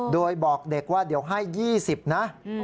โดยบอกเด็กว่าเดี๋ยวให้๒๐นะ